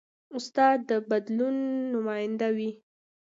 استاد د بدلون نماینده وي.